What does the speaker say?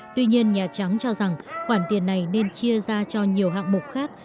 tuy nhiên nhà trắng cho rằng khoản tiền này nên chia ra cho nhiều hạng mục khác